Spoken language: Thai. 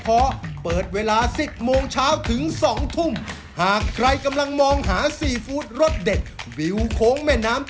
ราดด้วยราดดูนะครับตัวกุ้งไปเน้นเย็นใหญ่อุ๊บเขา